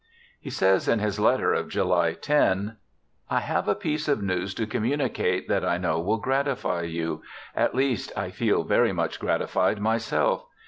He says in his letter of July 10 :* I have a piece of news to communicate that I know will gratify you ; at least I feel very much gratified myself.